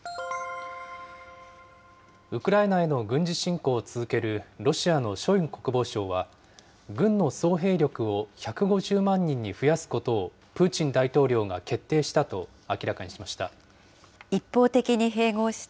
ウクライナへの軍事侵攻を続けるロシアのショイグ国防相は、軍の総兵力を１５０万人に増やすことをプーチン大統領が決定したと明らかにしました。